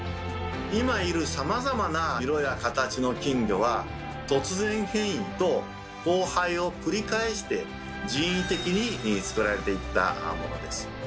今いるさまざまな色や形の金魚は突然変異と交配を繰り返して人為的に作られていったものです。